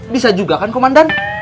bisa juga kan komandan